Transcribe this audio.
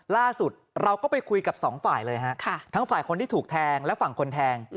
ล่าสุดเราก็ไปคุยกับสองฝ่ายเลยฮะทั้งฝ่ายคนที่ถูกแทงและฝั่งคนแทง